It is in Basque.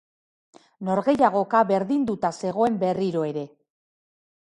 Norgehiagoka berdinduta zegoen berriro ere.